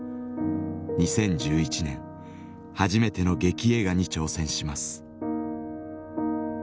２０１１年初めての劇映画に挑戦します。